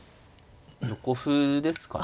横歩ですかね。